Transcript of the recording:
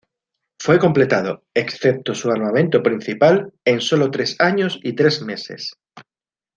Fue completado, excepto su armamento principal, en solo tres años y tres meses.